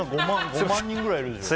５万人くらいいるでしょ。